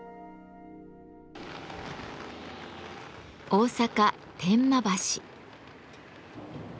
大阪・天満橋。